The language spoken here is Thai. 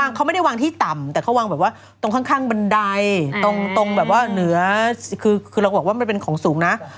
คือเขาไม่ได้วางที่ต่ำแต่เขาวางแบบว่าตรงข้างบนดายตรงแบบว่าเหนือคือมันเป็นของสูงนะ